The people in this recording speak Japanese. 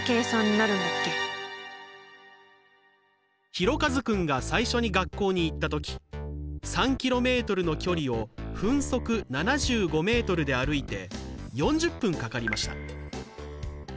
ひろかずくんが最初に学校に行った時３ｋｍの距離を分速７５ｍで歩いて４０分かかりました。